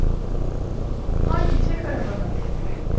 Haydi, çek arabanı!